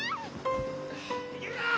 「逃げるな！